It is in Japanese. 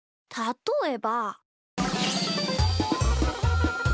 たとえば。